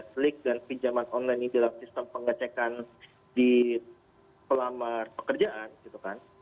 slik dan pinjaman online ini dalam sistem pengecekan di pelamar pekerjaan gitu kan